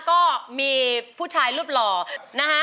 ก็มีผู้ชายรูปหล่อนะฮะ